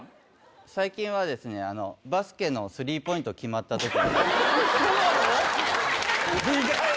最近はですね、バスケのスリーポイント決まったとき。